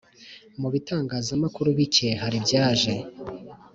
mu bitangazamakuru bike hari byaje